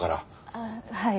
ああはい。